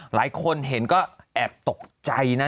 หลายคนเห็นก็แอบตกใจนะ